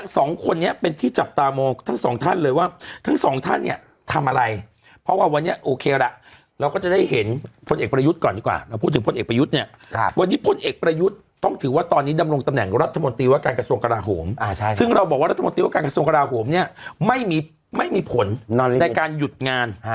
สองคนนี้เป็นที่จับตามองทั้งสองท่านเลยว่าทั้งสองท่านเนี้ยทำอะไรเพราะว่าวันนี้โอเคละเราก็จะได้เห็นคนเอกประยุทธ์ก่อนดีกว่าเราพูดถึงคนเอกประยุทธ์เนี้ยครับวันนี้คนเอกประยุทธ์ต้องถือว่าตอนนี้ดำลงตำแหน่งรัฐมนตรีวัตรการกระทรวงกราโหมอ่าใช่ใช่ซึ่งเราบอกว่ารัฐมนตรีวัตรการกระทรวง